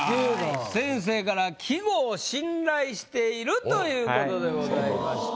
先生から「季語を信頼している！」ということでございました。